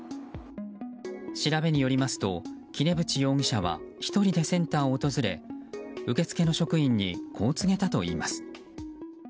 調べによりますと、杵渕容疑者は１人でセンターを訪れ受付の職員にこう告げたといいます。